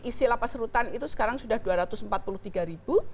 isi lapas rutan itu sekarang sudah dua ratus empat puluh tiga ribu